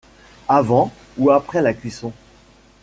Avant, ou après la cuisson.